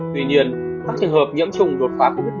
tuy nhiên các trường hợp nhiễm trùng đột phá covid một mươi chín